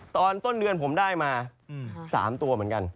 ตอนต้นเดือนผมได้มา๓ตัวเหมือนกัน